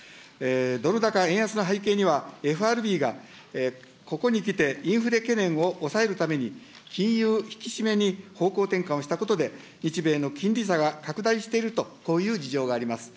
ドル高円安の背景には、ＦＲＢが、ここにきてインフレ懸念を抑えるために、金融引き締めに方向転換をしたことで、日米の金利差が拡大していると、こういう事情があります。